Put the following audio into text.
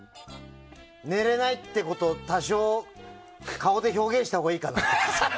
寝れないってことを多少顔で表現したほうがいいかなって。